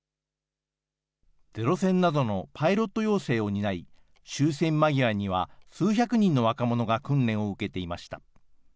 ゼロ戦などのパイロット養成を担い、終戦間際には、数百人の若者が訓練を受けていました。